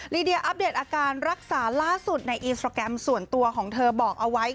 เดียอัปเดตอาการรักษาล่าสุดในอินสตราแกรมส่วนตัวของเธอบอกเอาไว้